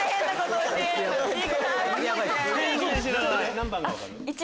何番が分かる？！